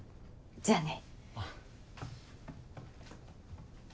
じゃあね。